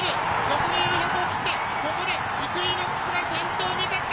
残り４００を切って、ここでイクイノックスが先頭に立った！